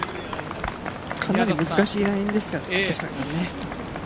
かなり難しいラインですからね。